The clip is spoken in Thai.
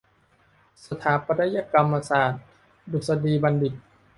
สถาปัตยกรรมศาสตรดุษฎีบัณฑิต